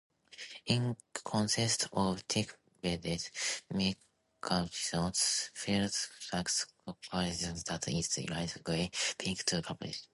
It consists of thick-bedded, micaceous, feldspathic quartzite that is light grey, pink, to purplish.